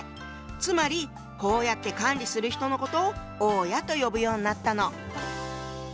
つまりこうやって管理する人のことを「大家」と呼ぶようになったの。